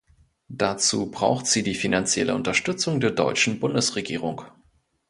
Dazu braucht sie die finanzielle Unterstützung der deutschen Bundesregierung.